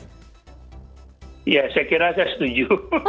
ya saya kira saya setuju